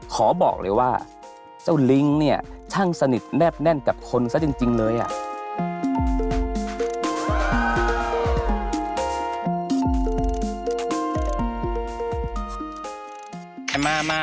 ขอบอกเลยว่าเจ้าลิงค์เนี่ยช่างสนิทแนบแน่นกับคนซะจริงเลยอ่ะ